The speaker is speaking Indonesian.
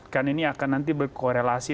karena ini akan nanti berkorelasi